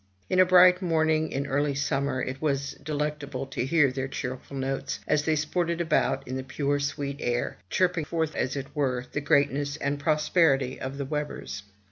In a bright morning in early sum mer, it was delectable to hear their cheerful notes, as they sported about in the pure sweet air, chirping forth, as it were, the great ness and prosperity of the Webbers.